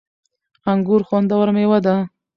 انګور خوندوره مېوه ده